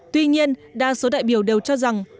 tuy nhiên đa số đại biểu đều cho rằng